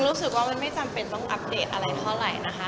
รู้สึกว่ามันไม่จำเป็นต้องอัปเดตอะไรเท่าไหร่นะคะ